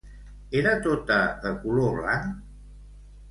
Era tota de color blanc?